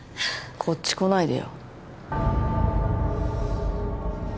こっち来ないでよ